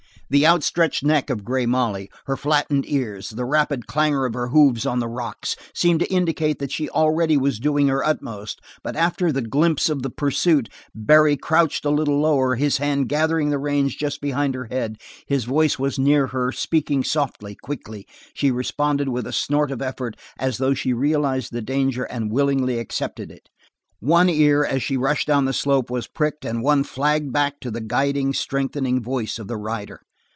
The outstretched neck of Grey Molly, her flattened ears, the rapid clangor of her hoofs on the rocks, seemed to indicate that she already was doing her uttermost, but after the glimpse of the pursuit, Barry crouched a little lower, his hand gathering the reins just behind her head, his voice was near her, speaking softly, quickly. She responded with a snort of effort, as though she realized the danger and willingly accepted it. One ear, as she rushed down the slope, was pricked and one flagged back to the guiding, strengthening voice of the rider.